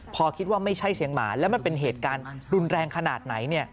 พอคิดว่าไม่ใช่เสียงหมาแล้วมันเป็นเหตุการณ์รุนแรงขนาดไหน